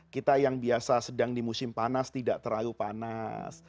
kita yang biasa sedang di musim panas tidak terlalu panas